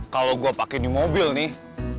kalau gue pakai di mobil nih